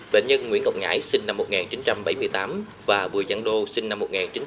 bệnh nhân nguyễn ngọc ngãi sinh năm một nghìn chín trăm bảy mươi tám và vùi giảng đô sinh năm một nghìn chín trăm chín mươi bốn